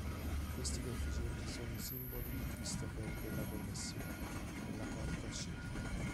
Questi coefficienti sono i simboli di Christoffel della connessione, nella carta scelta.